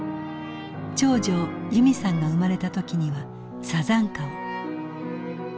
長女由美さんが生まれた時には山茶花を。